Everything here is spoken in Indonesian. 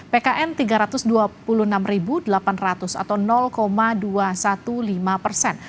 pkn tiga ratus dua puluh enam delapan ratus atau dua ratus lima belas persen